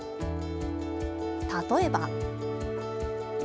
例えば。